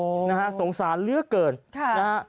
โอโหนะฮะสงสารเหลือเกินครับ